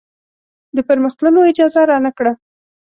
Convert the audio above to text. د پرمخ تللو اجازه رانه کړه.